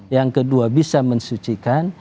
yang kedua bisa mensucikan